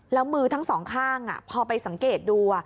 แล้วมือทั้งสองข้างพอไปสังเกตดู